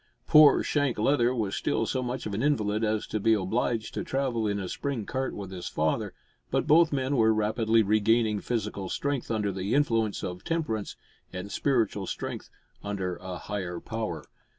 Poor Shank Leather was still so much of an invalid as to be obliged to travel in a spring cart with his father, but both men were rapidly regaining physical strength under the influence of temperance, and spiritual strength under a higher power.